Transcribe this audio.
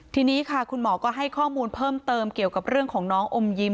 ทีนี้ค่ะคุณหมอก็ให้ข้อมูลเพิ่มเติมเกี่ยวกับเรื่องของน้องอมยิ้ม